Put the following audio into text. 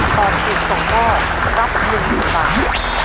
ตอบถูก๒ข้อรับ๑๐๐๐บาท